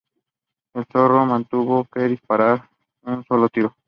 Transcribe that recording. El Zorro no tuvo que disparar un solo tiro.